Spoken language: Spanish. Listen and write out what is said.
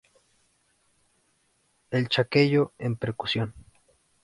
El chaqueño en percusión.